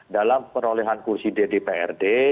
dalam perolehan kursi ddprd